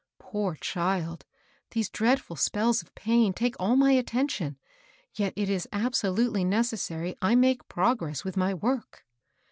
Poor child I these dreadful spells of pain take all my attention ; yet it is abso lutely necessary I make progress with my work."